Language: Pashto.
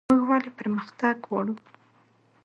موږ ولې پرمختګ غواړو؟